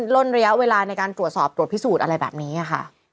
ล่นระยะเวลาในการตรวจสอบตรวจพิสูจน์อะไรแบบนี้ค่ะ